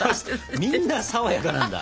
みんなさわやかなんだ。